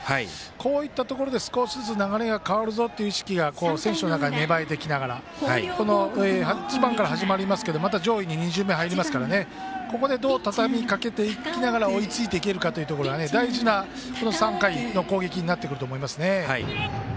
こういうところで少し流れ変わるぞっていう意識が選手の中に芽生えて８番から始まりますけどまた上位に２巡目入りますからここでどうたたみかけて追いついていけるかというところが大事な３回の攻撃になってくると思いますね。